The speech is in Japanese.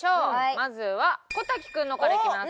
まずは小瀧くんのからいきます。